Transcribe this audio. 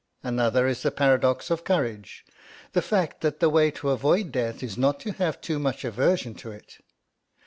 Another is the paradox of courage; the fact that the way to avoid death is not to have too much aversion to it.